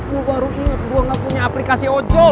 gue baru inget gue gak punya aplikasi ojol